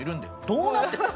どうなってんの？